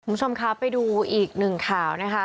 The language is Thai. คุณผู้ชมครับไปดูอีกหนึ่งข่าวนะคะ